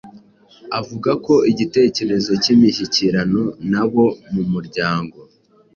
Avuga ko igitekerezo cy’imishyikirano n’abo mu muryango